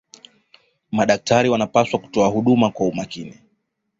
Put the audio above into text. madakitari wanapaswa kutoa huduma kwa umakini